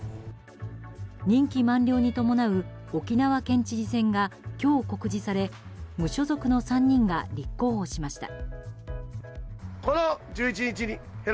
任期満了に伴う沖縄県知事選が今日、告示され無所属の３人が立候補しました。